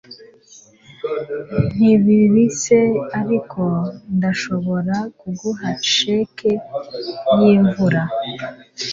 Ntibibitse, ariko ndashobora kuguha cheque yimvura.